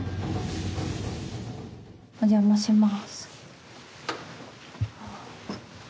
お邪魔します。